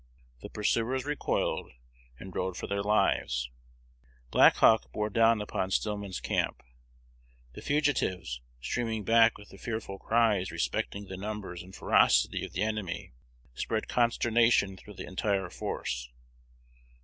The pursuers recoiled, and rode for their lives: Black Hawk bore down upon Stillman's camp; the fugitives, streaming back with fearful cries respecting the numbers and ferocity of the enemy, spread consternation through the entire force.